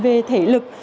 về thể lực